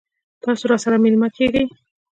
تاسو راسره میلمه کیږئ؟